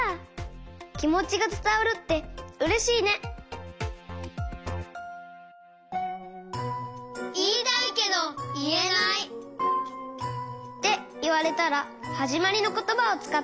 きもちがつたわるってうれしいね！っていわれたらはじまりのことばをつかってつたえよう！